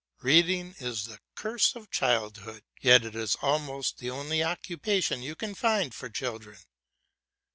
Reading is the curse of childhood, yet it is almost the only occupation you can find for children.